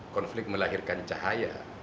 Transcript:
konflik melahirkan cahaya